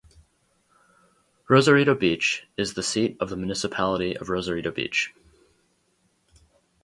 Rosarito Beach is the seat of the municipality of Rosarito Beach.